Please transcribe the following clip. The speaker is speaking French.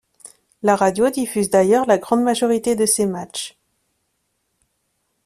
La radio diffuse d'ailleurs la grande majorité de ses matchs.